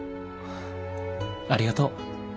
ありがとう。